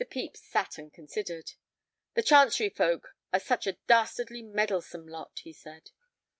Pepys sat and considered. "The Chancery folk are such a dastardly meddlesome lot," he said.